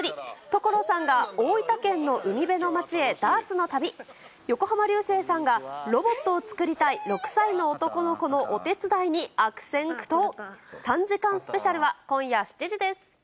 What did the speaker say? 所さんが大分県の海辺の町へダーツの旅、横浜流星さんが、ロボットを作りたい６歳の男の子のお手伝いに悪戦苦闘。